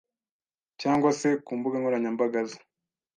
cyangwa se ku mbuga nkoranyambaga ze.